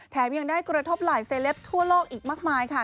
ยังได้กระทบหลายเซลปทั่วโลกอีกมากมายค่ะ